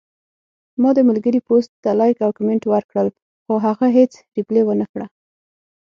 ما د ملګري پوسټ ته لایک او کمنټ ورکړل، خو هغه هیڅ ریپلی ونکړه